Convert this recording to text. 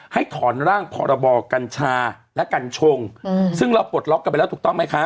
ให้ถอนร่างพรบกัญชาและกัญชงซึ่งเราปลดล็อกกันไปแล้วถูกต้องไหมคะ